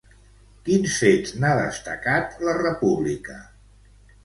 Quins fets n'ha destacat La Repubblica?